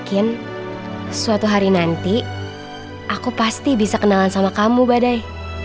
mungkin suatu hari nanti aku pasti bisa kenalan sama kamu badai